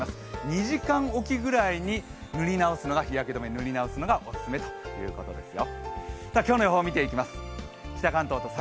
２時間おきぐらいに塗り直すのがオススメということですよ。